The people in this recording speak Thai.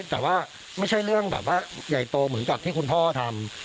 แต่ว่าไม่ใช่เรื่องแบบว่าใหญ่โตเหมือนกับที่คุณพ่อทำ